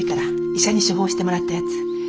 医者に処方してもらったやつ。